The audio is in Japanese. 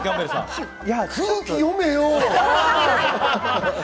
空気読めよ。